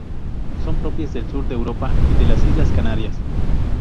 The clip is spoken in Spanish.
Son propias del Sur de Europa y de las Islas Canarias.